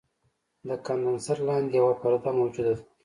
د کاندنسر لاندې یوه پرده موجوده ده.